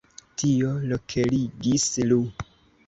Tio kolerigis Lu.